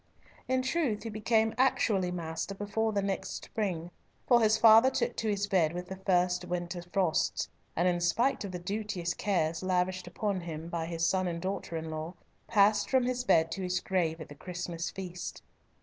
In truth he became actually master before the next spring, for his father took to his bed with the first winter frosts, and in spite of the duteous cares lavished upon him by his son and daughter in law, passed from his bed to his grave at the Christmas feast.